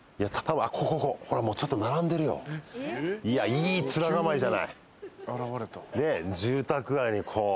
いい面構えじゃない。